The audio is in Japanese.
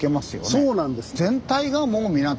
そうなんです。